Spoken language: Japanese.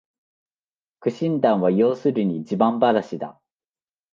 苦心談は要するに自慢ばなしだ